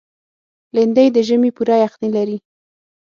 لېندۍ د ژمي پوره یخني لري.